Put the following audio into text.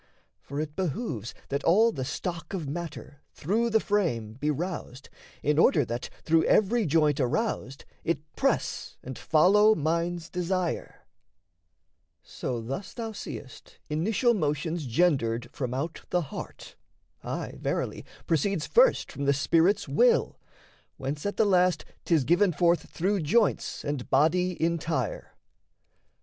For it behooves That all the stock of matter, through the frame, Be roused, in order that, through every joint, Aroused, it press and follow mind's desire; So thus thou seest initial motion's gendered From out the heart, aye, verily, proceeds First from the spirit's will, whence at the last 'Tis given forth through joints and body entire.